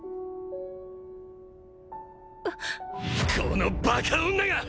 このバカ女が！